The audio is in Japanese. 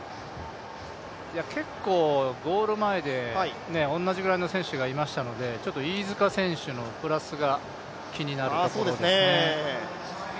結構ゴール前で同じぐらいの選手がいましたので、飯塚選手のプラスが気になるところですね。